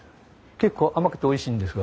結構甘くておいしいんですが。